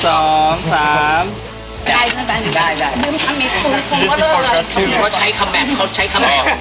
ได้นึกว่าใช้คำแบบเขาใช้คำออก